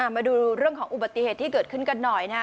มาดูเรื่องของอุบัติเหตุที่เกิดขึ้นกันหน่อยนะฮะ